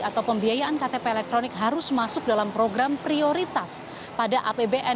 atau pembiayaan ktp elektronik harus masuk dalam program prioritas pada apbn